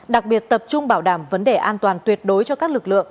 đặc biệt tập trung bảo đảm vấn đề an toàn tuyệt đối cho các lực lượng